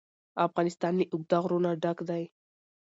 افغانستان له اوږده غرونه ډک دی.